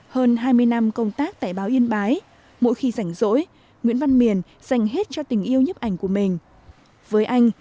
hơn hai mươi năm công tác tại báo yên bái mỗi khi rảnh rỗi nguyễn văn miền dành hết cho tình yêu nhếp ảnh của mình